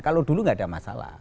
kalau dulu nggak ada masalah